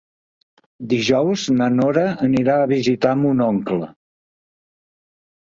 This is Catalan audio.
Dijous na Nora anirà a visitar mon oncle.